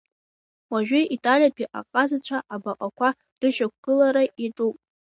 Уажәы италиатәи аҟазацәа абаҟақәа рышьақәыргылара иаҿуп.